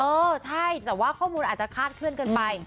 เออใช่แต่ว่าข้อมูลอาจจะคาดเคลื่อนกันไป